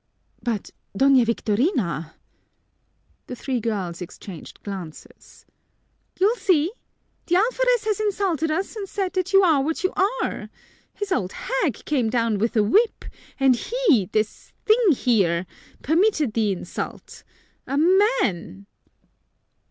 "But, Doña Victorina!" The three girls exchanged glances. "You'll see! The alferez has insulted us and said that you are what you are! His old hag came down with a whip and he, this thing here, permitted the insult a man!"